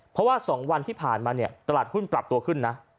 เพราะว่า๒วันที่ผ่านมาเนี่ยตลาดหุ้นปรับตัวขึ้นนะ